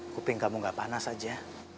kuping kamu gak panas saja